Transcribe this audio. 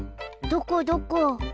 どこどこ？